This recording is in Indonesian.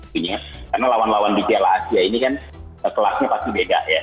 karena lawan lawan di piala asia ini kan kelasnya pasti beda ya